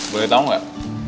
boleh tau nggak